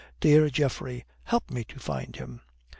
Dear Geoffrey, help me to find him."